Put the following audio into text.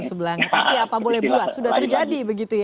sebelangnya tapi apa boleh buat sudah terjadi